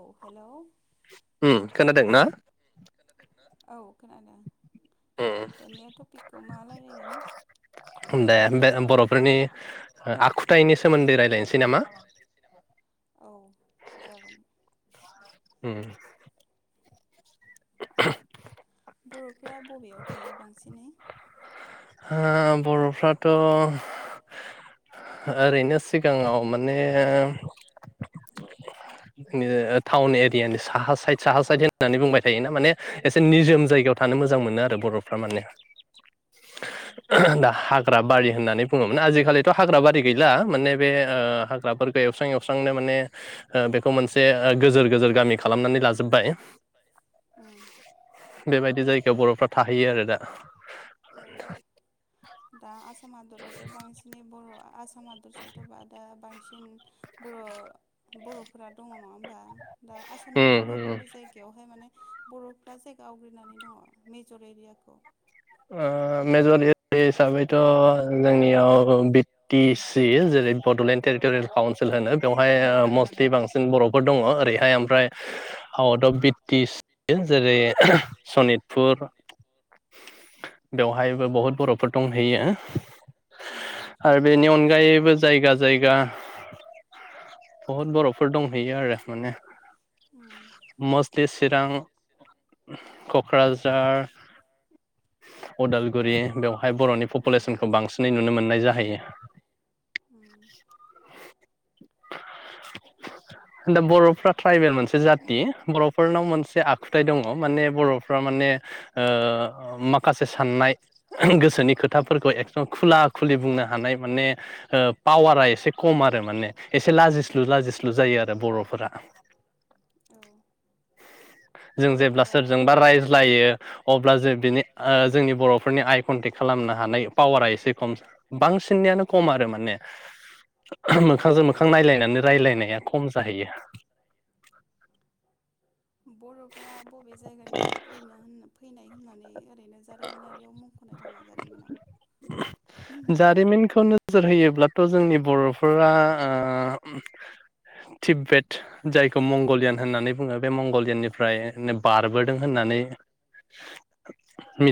औ हेल' खोनादों ना औ खोनादों दे बे बर'फोरनि आखुथायाइनि सोमोन्दै रायलायनोसै नामा? उम बर'फ्रा बबेयाव थायो बांसिनै? बर'फ्राथ' ओरैनो सिगाङाव माने टाउन एरियानि साहा साइद साहा साइद होननानै बुंबाय थायोना माने एसे निजोम जायगायाव थानो मोजां मोनो आरो बर'फ्रा माने दा हाग्रा बारि होननानै बुङोमोन आजिखालिथ' हाग्रा बारि गैला माने बे हाग्राफोरखौ एवस्रां एवस्रांनो माने बे मोनसे गोजोर गोजोर गामि खालामनानै लाजोब्बाय बेबायदि जायगायाव बर'फ्रा थाहैयो आरो दा [unintelligible] दा आसाम हादरावथ' बांसिनै बर' आसाम हादरसायावथ' दा बांसिन [unintelligible] बर' बर'फोरा दङ नङा होमबा दा आसामनि बबे बबे जायगायावहाय माने बर'फ्रा जायगा आवग्रिनानै दङ मेजर एरियाखौ मेजर एरिया हिसाबैथ' जोंनियाव बिटि सि जेरै बड'लेण्ड टेरिट'रियेल काउन्सिल होनो बेवहाय मस्टलि बांसिन बर'फोर दङ ओरैहाय ओमफ्राय आउट अफ बिटि सि जेरै सनितपुर बेवहायबो बहुत बर'फोर दंहैयो आरो बेनि अनगायैबो जायगा जायगा बहुद बर'फोर दंहैयो आरो माने मस्टलि चिरां क'क्राझार अदालगुरि बेवहाय बर'नि पपुलेसनखौ बांसिनै नुनो मोननाय जाहैयो दा बर'फ्रा ट्राइबेल मोनसे जाथि बर'फोरनाव मोनसे आखुथाय दङ माने बर'फ्रा माने [unintelligible] गोसोनि खोथाफोरखौ एकदम खुला खुलि बुंनो हानाय माने पावारा एसे खम आरो माने एसे लाजिस्लु लाजिस्लु जायो आरो बर'फोरा जों जेब्ला सोरजोंबा रायज्लायो अब्ला जों बेनि जोंनि बर' फोरनि आइ कनटेक्ट खालामनो हानाय पावारा एसे खम बांसिननियानो खम आरो माने मोखांजों मोखां नायलायनानै रायलायनाया खम जाहैयो बर'फ्रा बबे जायगानिफ्राय फैया होनना फैनाय होननानै जारिमिनारि मखनाय दङ जारिमिनाव जारिमिन खौनो नोजोर होयोब्लाथ' जोंनि बर'फोरा बर' फोरा तिब्बत-बर्मा जायखौ मंगलियान होननानै बुङो बे मंगलियाननिफ्राय बारबोदों होननानै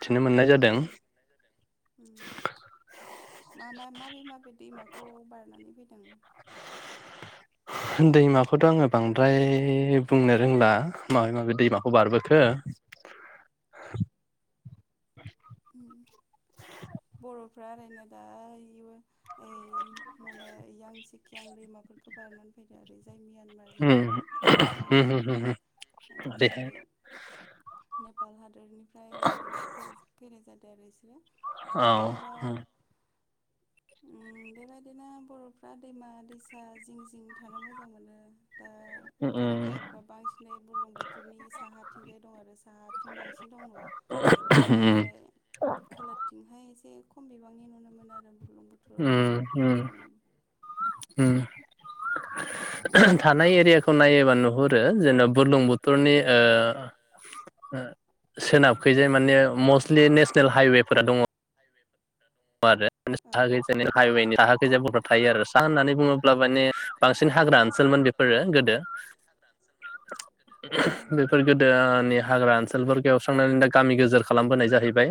मिथिनो मोननाय जादों मा माबे माबे दैमाखौ बारनानै फैदों? दैमाखौथ' आङो बांद्राय बुंनो रोंला माबे माबे दैमाखौ बारबोखो बरफ फ्रा ओरैनो दा ओइ माने यां सिखियां दैमाफोरखौ बारनानै फैदो आरो जाय मियानमार जानानै साइन रायजो बेनिफ्राय ओरै नेपाल हादरनिफ्राय ओरै जादों आरो इसोरो औ ओम बेबायदिनो बर'फ्रा दैमा दैसा जिं जिं थानो मोजां मोनो दा ओंखायनो बर'फ्रा बांसिनै बुरलुंबुथुरनि साहा थिंजाय दं आरो साहाथिं बांसिन दं ना बेनिफ्राय खोलाथिंहाय एसे खम बिबांनि नुनो मोनो आरो ओम ओम थानाय एरियाखौ नायोबा नुहुरो जेन' बुरलुंबुथुरनि ओ सोनाबखैजाय माने मस्टलि नेसनेल हाइवेफोरा दङ आरो हाजो सेरनि हाइवेनि साहाखैजाय बर' थायो आरो साहा होननानै बुङोब्ला माने बांसिन हाग्रा ओनसोलमोन बेफोरो गोदो बेफोर गोदोनि हाग्रा ओनसोलफोर एवस्रांनानै दा गामि गोजोर खालामबोनाय जाहैबाय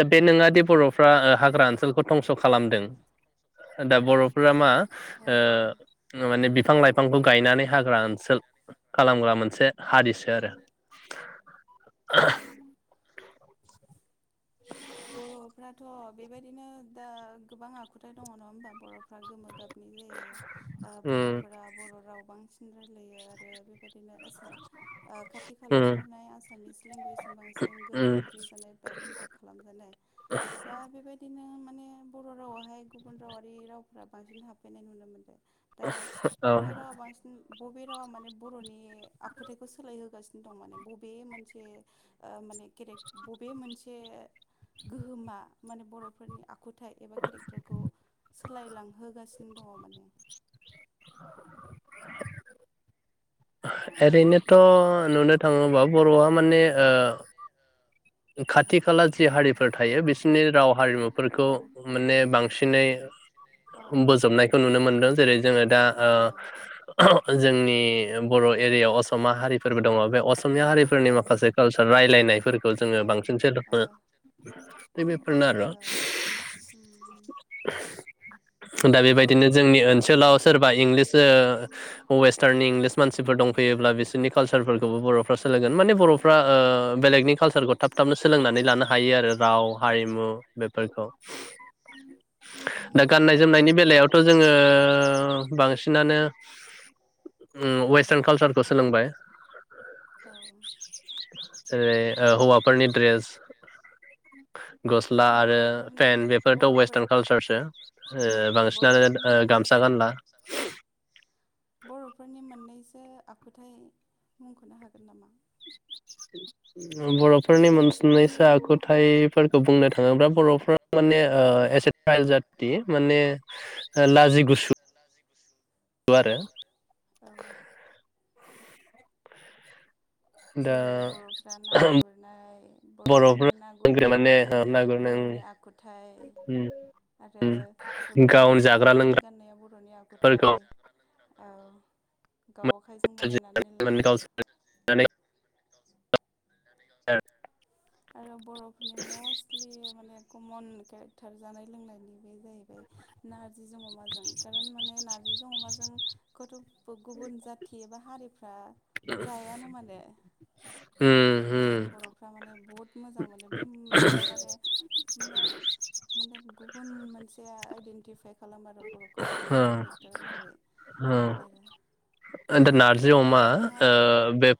दा बे नोङादि हाग्रा ओनसोलखौ धंस' खालामदों दा बर'फोरा मा ओ माने बिफां लाइफांखौ गायनानै हाग्रा ओनसोल खालामग्रा मोनसे हारिसो आरो बर'फ्राथ' बेबायदिनो दा गोबां आखुथाय दङ नङा होमबा बर'फ्रा गोमो गाब जायो बर'फोरा बर' राव बांसिन रायलायो आरो बेबादिनो आसाम खाथि खालायाव थानाय आसामिस लेंगुवेजजों बांसिन गोहोम खोख्लैजानाय बा इम्पेक्ट खालाम खालामजानाय दा बेबायदिनो माने बर' रावावहाय गुबुन रावारि रावफ्रा बांसिन हाफैनाय नुनो मोन्दों दा बबे रावा बांसिन बबे रावा माने बर'नि आखुथाइखौ सोलायहोगासिनो दं माने बबे मोनसे माने केेरेक बबे मोनसे गोहोमा माने बर'फोरनि आ खुथाय एबा केरेक्टारखौ सोलायलांहोगासिनो दङ माने [inaudible] ओरैनोथ' नुनो थाङोबा बर'वा माने खाथि खाला जि हारिफोर थायो बिसोरनि राव हारिमुफोरखौ माने बांसिनै बोजबनायखौ नुनो मोनदों जेरै जोङो दा जोंनि बर' एरिया असमा हारिफोरबो दङ बे असमिया हारिफोरनि माखासे कालचार रायजलायनायफोर खौ जोङो बांसिन सोदोबो बेफोरनो आरो दा बेबायदिनो जोंनि ओनसोलाव सोरबा इंलिस वेस्टार्न इंलिस मानसिफोर दंफैयोब्ला बिसोरनि काल्सारफोरखौबो बर' [unintelligible] माने बर'फ्रा बेलेगनि कालचार फोरखौ थाब थाबनो सोलोंनानै लानो हायो आरो राव हारिमु बेफोरखौ दा गाननाय जोमनायनि बेलायावथ' जोङो बांसिनानो वेस्टार्न कालसारखौ सोलोंबाय जेरै हौवाफोरनि द्रेस गस्ला आरो पनेन बेफोरथ' वेस्टार्न कालसारसो बांसिनानो गामसा गानला बर'फोरनि मोननैसो आखुथाय मुंख'नो हागोन नामा? बर'फोरनि मोनसनैसो आखुथाइफोरखौ बुंनो थाङोब्ला बर'फ्रा माने एसे ट्राइल जाथि माने लाजि गुसु आरो औ जेरै बर'फ्रा ना गुरनाय बर'फोरनि ना गुरनाया मोनसे बर'नि आखुथाइ आरो बेबायदिनो जि दानानै गाननाया बर'नि आखुथाइ। गाव आखायजों बानायनानै ला [unintelligible] आरो बर'फोरनि मस्टलि माने कमन केरेक्टार जानाय लोंनायनि बे जाहैबाय ना जों अमाजों कारन माने नारजिजों अमाजोंखौथ' गुबुन जाथि एबा हारिफ्रा उम उम जोंनि बर'फ्रा माने माने बहुत मोजां मोनो बे मोनसे माने माने माने गुबुन मोनसेया आइडेन्टिफाइ खालामो आरो बर'खौ बर'फोरनि केरेक्टार महरै आरो दा नारजि अमा ओ बे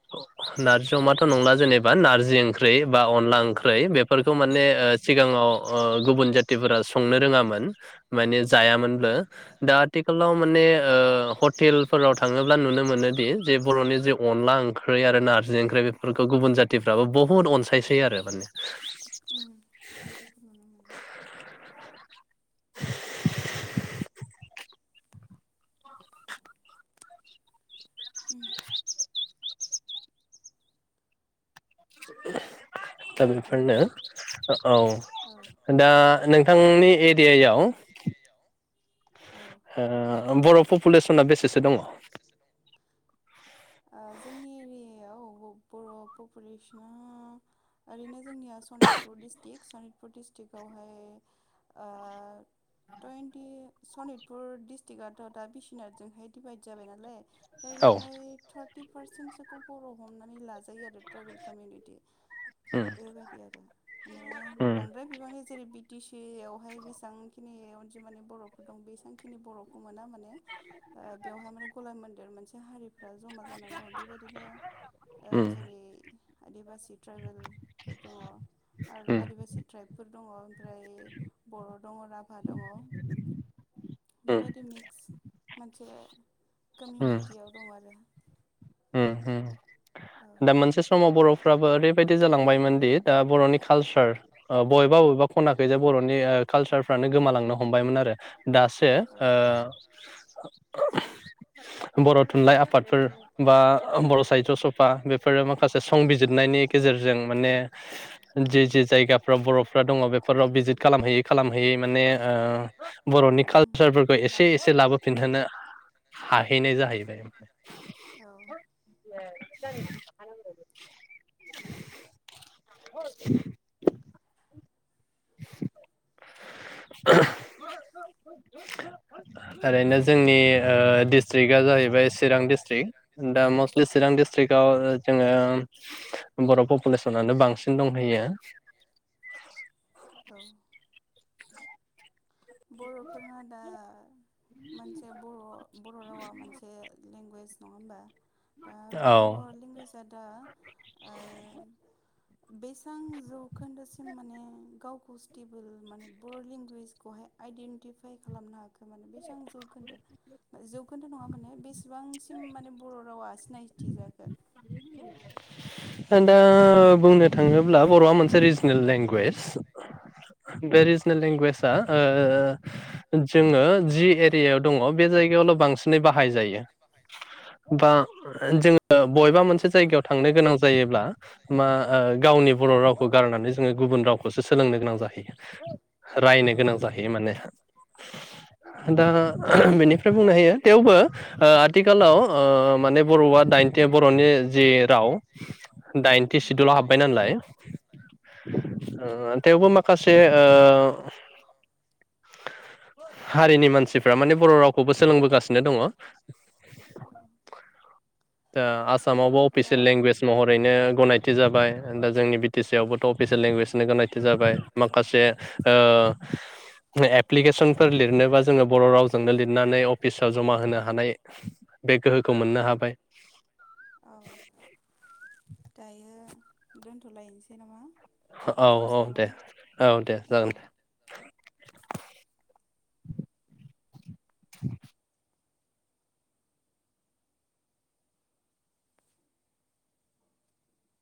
नारजि अमाथ' नंला जेनेबा नारजि ओंख्रै बा अनला ओंख्रै बे फोरखौ माने ओ सिगाङाव ओ गुबुन जाथिफोरा संनो रोङामोन माने जायामोनबो दा आथिखालाव माने ओ हटेलफोराव थाङो ब्ला नुनो मोनोदि जे बर'नि जे अनला ओंख्रै आरो नारजि ओंख्रै बेफोरखौ गुबुन जाथिफ्राबो बहुद अनसायसै आरो माने उम बेबायदिखौ नुनो मोनो। [inaudible] उम [unintelligible] दा बेफोरनो औ दा नों थांनि एरियायाव हा बर' पपुलेसना बेसेसो दङ? जोंनि एरियायाव बर' पपुलेसना ओरैनो जोंनिया सनितपुर डिस्ट्रिक सनित पुर डिस्ट्रिक्टआवहाय ओ टुइन्टि सनितपुर डिस्ट्रिकटआथ' दा बिश्वनातजोंहाय बाय जाबाय नालाय। दा एयावहाय था र्टि पारसेन्टसोखौ बर' हमनानै लाजायो आरो ट्राइबेल कमिउनिटि। बेबायदि आरो माने बांद्राय बिबांनि जेरै बि टि सि आवहाय बेसेबां खिनि माने बर'फोर दं बेसांखिनि बर'खौ मोना माने। ओ बेवहाय माने गलाय मोन्देर मोनसे हारिफ्रा जमा जानानै दङ बेबायदिनो ओ जेरै आदिबासि ट्राइबेलफोर दङ ओ आदिबासि ट्राइबफोर दङ। फ्राय बर' दङ राभा दङ बेबायदि मिक्स जे कमिउनिटियाव दं आरो। दा मोनसे समाव बर'फ्राबो ओरैबायदि जालांबायमोन दि दा बर'नि कालस सार ओ बबेबा बबेबा खनाखै जाय बर'नि ओ कालसारफ्रानो गोमालांनो हमबायमोन आरो। दासो ओ बर' थुनलाइ आफादफोर बा बर' साहित्य स बा बेफोरो माखासे संबिजिदनायनि गेजेरजों माने जि जे जायगाफ्राव बर'फ दङ बेफोराव भिजित खालामहैयै खालामहैयै माने ओ बर'नि कालसारफोरखौ एसे एसे लाबोफिनहोनो हाहैनाय जाहैबाय। [inaudible] जायो [inaudible] ओरैनो जोंनि ओ दिस्ट्रिका जाहैबाय चिरां डिस्ट्रिक्ट दा मस्टलि चिरां डिस्ट्रिक्टआव जोङो बर' पपुलेसनानो बांसिन दंहैयो औ बर'फोरना दा मोनसे बर' बर' रावा मोनसे लेंगुवेज नङा होमबा? दा बर' लेंगुवेजआ दा ओ बेसेबां जौखोन्दोसिम माने गावखौव स्टेबोल माने बर' लेंगुवेजखौहाय आइडेन्टिफाइ खालामनो हा खो माने बेसां जौखोनदो? जौ खौनथ' नङा मोन ने बेस सेबांसिम माने बर' रावा सिनायथि जा खो? दा बुंनो थाङोब्ला बर'आ मोनसे रिजनेल लेंगुवेज बे रिजनेल लेंगुवेजआ ओ जोङो जि एरियायाव दङ बे जायगायावल' बांसिनै बाहायजायो बा जोङो बबेबा मोन जायगायाव थांनो गोनां जायोब्ला मा ओ गावनि बर' रावखौ गारनानै जोङो गुबुन रावखौसो सोलोंनो गोनां जाहैयो रायनो गोनां जाहैयो माने। दा [unintelligible] बेनिफ्राय बुंनो हायो थेवबो ओ आथिखालाव ओ माने बर'आ दाइनथि बर'नि जे राव दाइनथि सिदुलाव हाबबाय नालाय ओ थेवबो माखासे ओ हारिनि मानसिफ फ्रा माने बर' रावखौबो सोलोंबोगासिनो दङ। दा आसामावबो अफिसियेल लेंगुवेज महरैनो गनायथि जाबाय दा जोंनि बि टि सि आवबोथ' अफिसियेल लेंगुवेजनो गनायथि जाबाय माखासे ओ एप्लिकेसनफोर लिरनोबा जोङो बर' राव जोंनो लिरनानै अफिसाव जमा होनो हानाय बे गोहोखौ मोननो हाबाय औ दायो दोन्थ'लायनोसै नामा? औ औ दे औ दे जागोन दे